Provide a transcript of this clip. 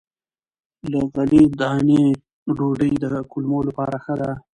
له غلې- دانو ډوډۍ د کولمو لپاره ښه ده.